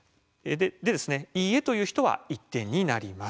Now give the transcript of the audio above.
「いいえ」という人は１点になります。